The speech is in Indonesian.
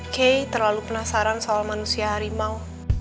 kay terlalu penasaran soal manusia harimau